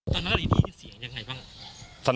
ตอนนั้นอีกทีเสียงยังไงบ้าง